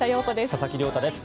佐々木亮太です。